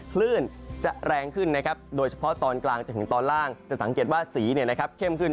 คลื่นจะแรงขึ้นนะครับโดยเฉพาะตอนกลางจนถึงตอนล่างจะสังเกตว่าสีเข้มขึ้น